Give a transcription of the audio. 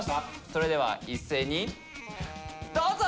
それでは一斉にどうぞ！